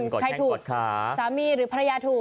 ใครถูกสามีหรือภรรยาถูก